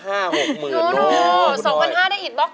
จับมือประคองขอร้องอย่าได้เปลี่ยนไป